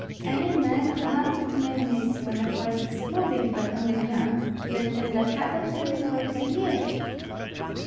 Any man mounted may miss when the horse is moving, but on the ground that has not happened to me for ten years."